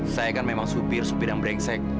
saya kan memang supir supir yang brengsek